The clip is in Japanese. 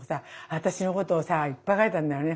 私のことをさいっぱい書いてあんだよね